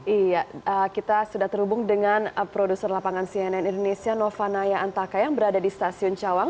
iya kita sudah terhubung dengan produser lapangan cnn indonesia nova naya antaka yang berada di stasiun cawang